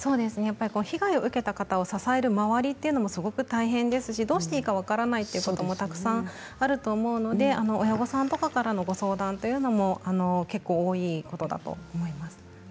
被害を受けた方を支える周りというのもすごく大変ですしどうしていいか分からないということもたくさんあると思うので親御さんとかからの相談も結構多いことだと思います。